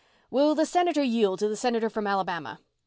"Will the Senator yield to the Senator from Alabama?"